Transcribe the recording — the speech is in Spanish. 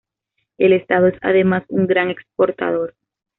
El estado es además un gran exportador.